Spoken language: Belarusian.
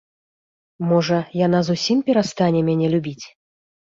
Можа, яна зусім перастане мяне любіць?